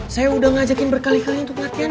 saya udah ngajakin berkali kali untuk latihan